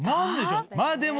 まぁでも。